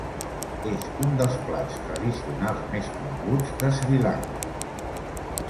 És un dels plats tradicionals més coneguts de Sri Lanka.